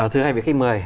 thưa hai vị khách mời